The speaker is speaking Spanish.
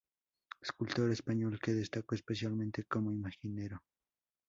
Escultor español que destacó especialmente como imaginero.